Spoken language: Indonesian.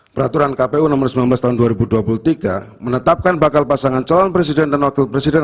peraturan kpu nomor sembilan belas tahun dua ribu dua puluh tiga menetapkan bakal pasangan calon presiden dan wakil presiden